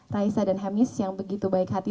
raisa dan hemis yang begitu baik hati